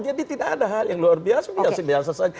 jadi tidak ada hal yang luar biasa